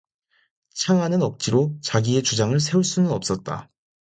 창하는 억지로 자기의 주장을 세울 수는 없었다.